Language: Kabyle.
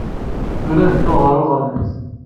Tura ad dduɣ ɣer uɣerbaz